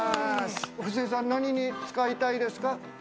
富施さん、何に使いたいですか？